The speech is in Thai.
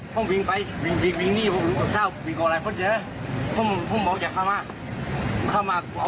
พบวินวิงไปวิงวิงวิงวิงวิงนี่มรุงกระเจ้าวิงกับอะไรควันเยอะ